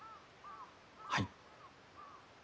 はい。